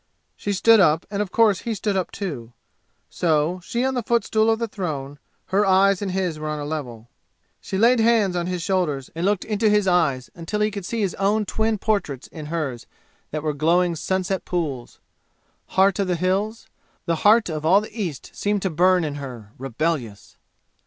She stood up, and of course he stood up, too. So, she on the footstool of the throne, her eyes and his were on a level. She laid hands on his shoulders and looked into his eyes until he could see his own twin portraits in hers that were glowing sunset pools. Heart of the Hills? The Heart of all the East seemed to burn in her, rebellious!